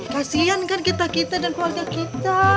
kasian kan kita kita dan keluarga kita